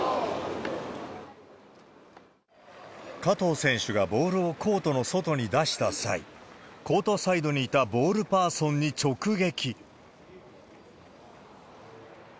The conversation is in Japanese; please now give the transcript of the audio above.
加藤選手がボールをコートの外に出した際、コートサイドにいたボールパーソンに直撃。